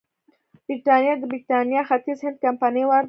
برېټانیا ته د برېټانیا ختیځ هند کمپنۍ واردول.